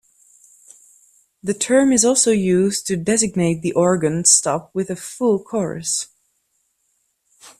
The term is also used to designate the organ stop with a full chorus.